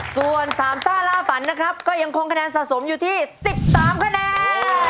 ส่วน๓ซ่าล่าฝันนะครับก็ยังคงคะแนนสะสมอยู่ที่๑๓คะแนน